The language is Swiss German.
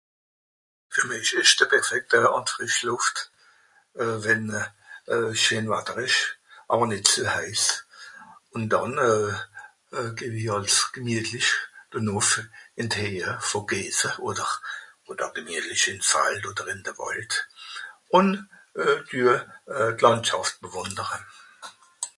fer mìch esch de Perfekt Döö àn d fresch Luft euh wenn euh scheen watter esch àwer nìt so heiss un dànn euh gehw i àls gemietlich do nùff it d Heehe Vogese oder gemietlich ins Fald oder in de Wàld un euhh düe euhh d'Làandschàft bewùndere